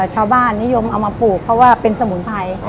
ชาวบ้านนิยมเอามาปลูกเพราะว่าเป็นสมุนไพร